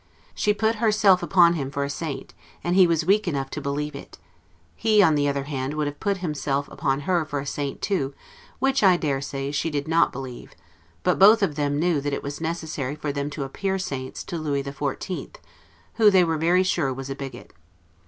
She put herself upon him for a saint, and he was weak enough to believe it; he, on the other hand, would have put himself upon her for a saint too, which, I dare say, she did not believe; but both of them knew that it was necessary for them to appear saints to Lewis the Fourteenth, who they were very sure was a bigot.